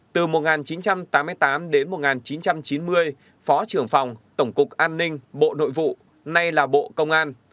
từ một nghìn chín trăm tám mươi tám đến một nghìn chín trăm chín mươi phó trưởng phòng tổng cục an ninh bộ nội vụ nay là bộ công an